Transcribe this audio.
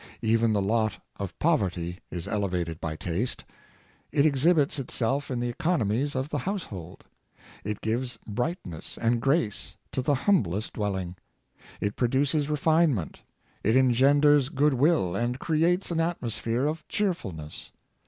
Even the lot of poverty is elevated by taste. It exhibits itself in the economies of the household. It gives brightness and grace to the humblest dwelling. It pro duces refinement, it engenders good will, and creates an atmosphere of cheerfulness.